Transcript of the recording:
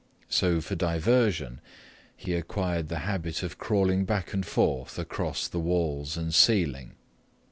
So for diversion he acquired the habit of crawling back and forth across the walls and ceiling.